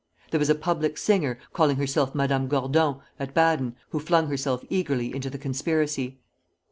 There was a public singer, calling herself Madame Gordon, at Baden, who flung herself eagerly into the conspiracy.